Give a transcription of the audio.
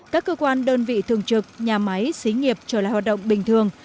các cơ quan đơn vị thường trực nhà máy xí nghiệp trở lại hoạt động bình thường